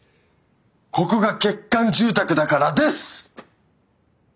ここが欠陥住宅だからです！